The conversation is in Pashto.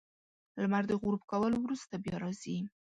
• لمر د غروب کولو وروسته بیا راځي.